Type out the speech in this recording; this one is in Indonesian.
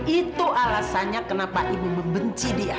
itu alasannya kenapa ibu membenci dia